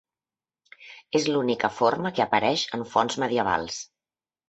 És l'única forma que apareix en fonts medievals.